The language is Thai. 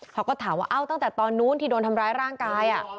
เขาก็ถามว่าเอ้าตั้งแต่ตอนนู้นที่โดนทำร้ายร่างกาย